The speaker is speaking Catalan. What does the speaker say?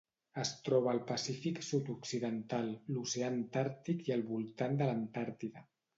Es troba al Pacífic sud-occidental, l'oceà Antàrtic i al voltant de l'Antàrtida.